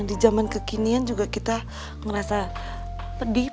yang di jaman kekinian juga kita ngerasa pedih